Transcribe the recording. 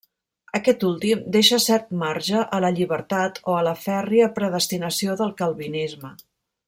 Aquest últim deixa cert marge a la llibertat o a la fèrria predestinació del calvinisme.